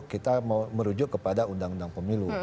kita merujuk kepada undang undang pemilu